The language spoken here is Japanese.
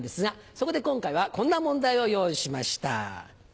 そこで今回はこんな問題を用意しました。